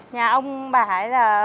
nhà ông bà hải là